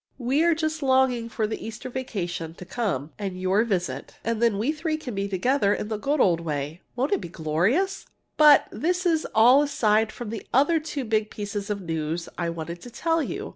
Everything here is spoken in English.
We are just longing for the Easter vacation to come, and your visit. Then we three can be together again in the good old way. Won't it be glorious? But this is all aside from the other two big pieces of news I wanted to tell you.